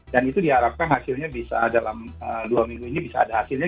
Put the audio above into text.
dan itu diharapkan hasilnya bisa dalam dua minggu ini bisa ada hasilnya